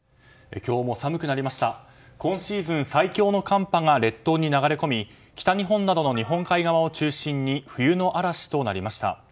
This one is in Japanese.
今シーズン最強の寒波が列島に流れ日本海側を中心に冬の嵐となりました。